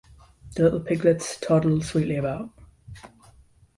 The little piglets toddle sweetly about.